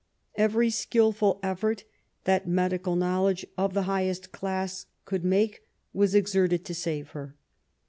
Every skilful •effort that medical knowledge of the highest class could make was exerted to save her.